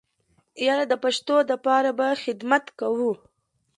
ياره د پښتو د پاره به خدمت کوو.